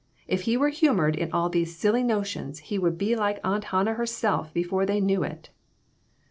If he were humored in all these silly notions he would be like Aunt Hannah herself before they knew it."